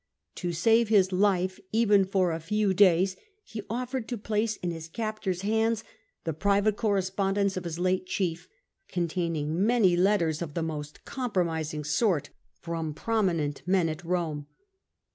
To save his life even for a few days he offered to place in his captor's hands the private correspondence of his late chief, containing many letters of the most compromising sort from prominent men at Eome.